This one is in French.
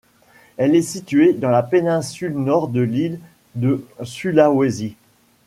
Elle est située dans la péninsule nord de l'île de Sulawesi.